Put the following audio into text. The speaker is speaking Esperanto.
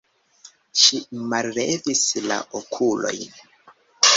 Ŝi mallevis la okulojn.